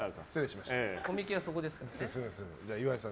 コミケはそこですから。